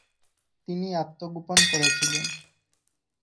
তিনি আত্মগোপন করেছিলেন।